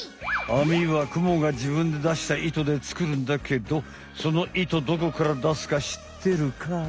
網はクモがじぶんで出した糸で作るんだけどその糸どこから出すか知ってるかい？